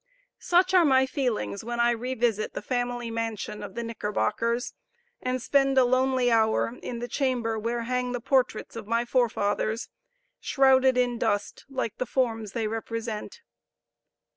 Such are my feelings when I revisit the family mansion of the Knickerbockers, and spend a lonely hour in the chamber where hang the portraits of my forefathers, shrouded in dust like the forms they represent.